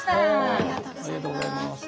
ありがとうございます。